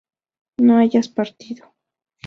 no hayas partido